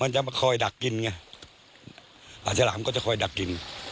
มันจะคอยดักกินไงปลาชลามก็จะคอยดักกิน